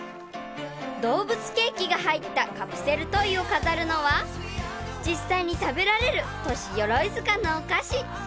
［動物ケーキが入ったカプセルトイを飾るのは実際に食べられるＴｏｓｈｉＹｏｒｏｉｚｕｋａのお菓子！］